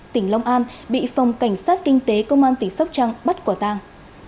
tỉnh long an bị phòng cảnh sát kinh tế công an tỉnh sóc trăng bắt quả tang